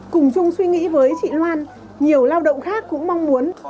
cùng chung suy nghĩ với chị loan nhiều lao động khác cũng mong muốn